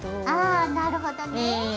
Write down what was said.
ああなるほどねぇ。